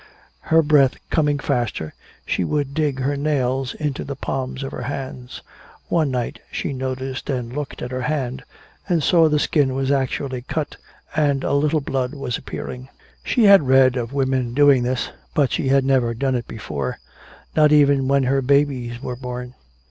Her breath coming faster, she would dig her nails into the palms of her hands. One night she noticed and looked at her hand, and saw the skin was actually cut and a little blood was appearing. She had read of women doing this, but she had never done it before not even when her babies were born.